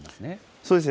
そうですね。